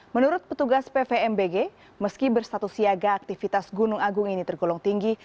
menurut petugas pvmbg meski berstatus siaga aktivitas gunung agung ini tergolong tinggi